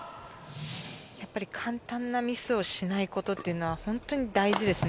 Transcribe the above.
やっぱり簡単なミスをしないことっていうのは本当に大事ですね。